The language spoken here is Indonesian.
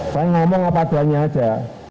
saya ngomong apa adanya aja